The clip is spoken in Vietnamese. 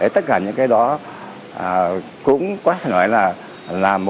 tất cả những cái đó cũng có thể nói là